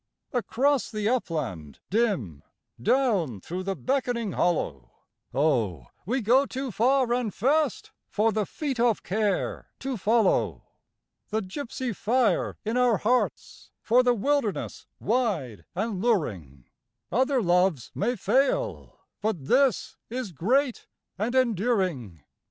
58 Across the upland dim, down through the beckoning hollow — Oh, we go too far and fast for the feet of care to follow ! The gypsy fire in our hearts for the wilderness wide and luring; Other loves may fail but this is great and enduring.